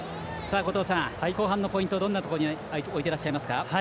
後半のポイント、どんなところに置いてらっしゃいますか？